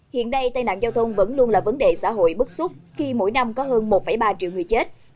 hiện đây tai nạn giao thông vẫn luôn là vấn đề xã hội bức xúc khi mỗi năm có hơn một ba triệu người chết